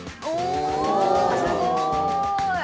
すごい。